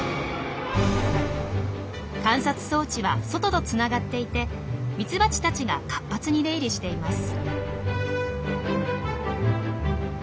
観察装置は外とつながっていてミツバチたちが活発に出入りしています。